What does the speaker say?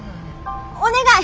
お願い！